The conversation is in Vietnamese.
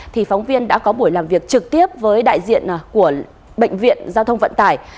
thì phóng viên đã có buổi làm việc trực tiếp với đại diện của bệnh viện giao thông vận tải